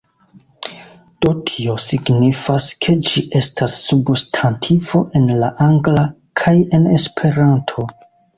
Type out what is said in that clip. Do tio signifas ke ĝi estas substantivo en la Angla, kaj en Esperanto.